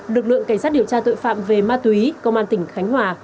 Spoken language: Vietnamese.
lực lượng cảnh sát điều tra tội phạm về ma túy công an tỉnh khánh hòa